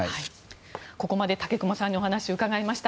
ここまで武隈さんにお話を伺いました。